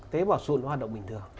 tế bào sụn hoạt động bình thường